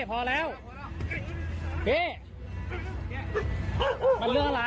พอแล้วพี่มันเรื่องอะไร